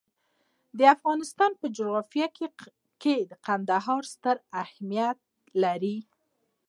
د افغانستان په جغرافیه کې کندهار ستر اهمیت لري.